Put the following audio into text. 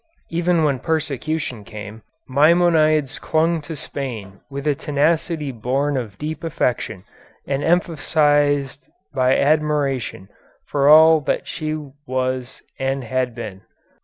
Even when persecution came, Maimonides clung to Spain with a tenacity born of deep affection and emphasized by admiration for all that she was and had been.